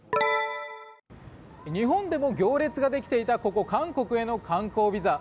日本でも行列ができていたここ、韓国への観光ビザ。